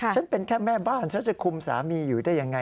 ฉันเป็นแค่แม่บ้านฉันจะคุมสามีอยู่ได้ยังไง